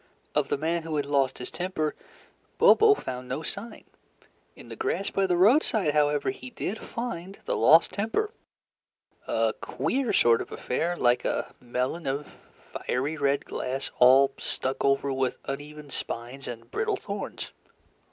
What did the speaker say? Of the man who had lost his temper, Bobo found no sign. In the grass by the roadside, however, he did find the lost temper a queer sort of affair like a melon of fiery red glass all stuck over with uneven spines and brittle thorns.